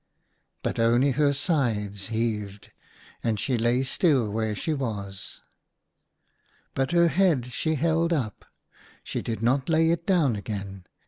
But only her sides heaved, and she lay still where she was. But her head she held up ; she did not lay it down again.